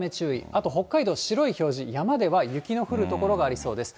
あと北海道、白い表示、山では雪の降る所がありそうです。